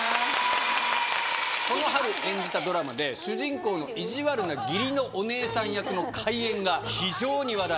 この春演じたドラマで主人公の意地悪な義理のお姉さん役の怪演が非常に話題。